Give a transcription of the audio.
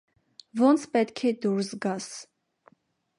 Ոնց պետք է դուրս գաս: